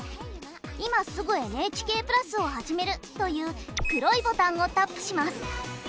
「今すぐＮＨＫプラスをはじめる」という黒いボタンをタップします。